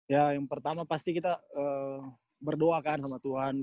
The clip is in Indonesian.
ya yang pertama pasti kita berdoa kan sama tuhan